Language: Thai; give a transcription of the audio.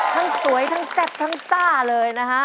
ทั้งสวยทั้งแซ่บทั้งซ่าเลยนะฮะ